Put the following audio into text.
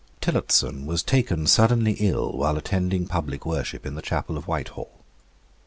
Tillotson was taken suddenly ill while attending public worship in the chapel of Whitehall.